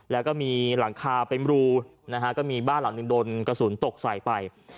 แล้วก็มีหลังคาเป็นรูนะฮะก็มีบ้านหลังหนึ่งโดนกระสุนตกใส่ไป